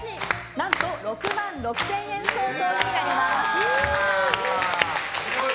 何と６万６０００円相当になります。